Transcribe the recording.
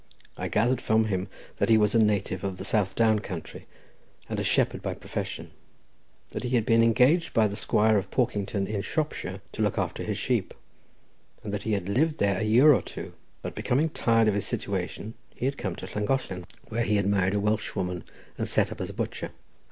I gathered from him that he was a native of the Southdown country, and a shepherd by profession; that he had been engaged by the squire of Porkington in Shropshire to look after his sheep, and that he had lived there a year or two, but becoming tired of his situation, he had come to Llangollen, where he had married a Welshwoman, and set up as a butcher.